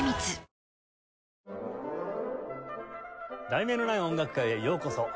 『題名のない音楽会』へようこそ。